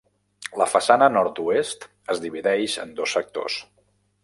La façana nord-oest es divideix en dos sectors.